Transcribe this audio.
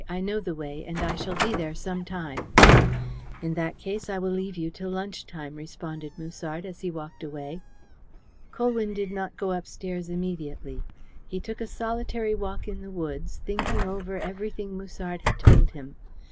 I know the way, and I shall be there some time." "In that case I will leave you till lunch time," responded Musard, as he walked away. Colwyn did not go upstairs immediately. He took a solitary walk in the woods, thinking over everything that Musard had told him.